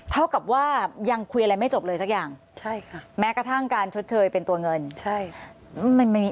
เท่ากับว่ายังคุยอะไรไม่จบเลยสักอย่างแม้กระทั่งการชดเชยเป็นตัวเงินใช่